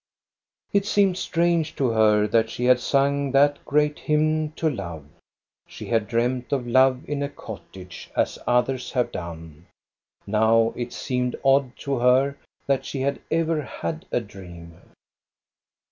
It seemed strange to her that she had sung that great hymn to love. She had dreamed of love in a cottage, as others have done. Now it seemed odc^to her that she had ever had a dream.